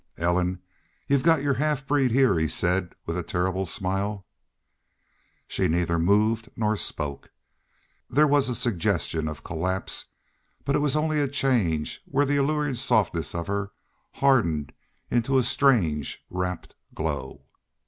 "Ellen, y'u've got your half breed heah!" he said, with a terrible smile. She neither moved nor spoke. There was a suggestion of collapse, but it was only a change where the alluring softness of her hardened into a strange, rapt glow.